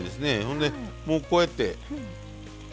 ほんでもうこうやって。